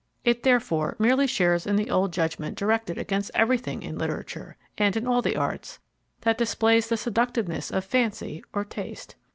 It, therefore, merely shares in the old judgment directed against everything in literature and in all the arts that displays the seductiveness of fancy or taste.